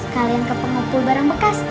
kalian ke pengumpul barang bekas